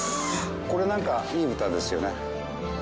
これなんかいい豚ですよね。